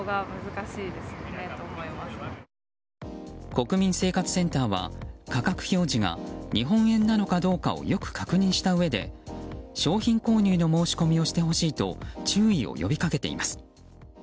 国民生活センターは価格表示が日本円なのかどうかをよく確認したうえで商品購入の申し込みをしてほしいと注意を呼び掛けています。